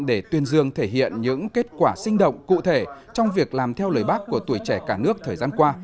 để tuyên dương thể hiện những kết quả sinh động cụ thể trong việc làm theo lời bác của tuổi trẻ cả nước thời gian qua